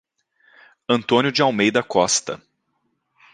Antônio de Almeida Costa